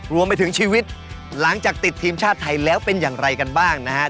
รวมไปถึงชีวิตหลังจากติดทีมชาติไทยแล้วเป็นอย่างไรกันบ้างนะครับ